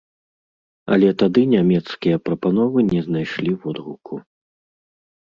Але тады нямецкія прапановы не знайшлі водгуку.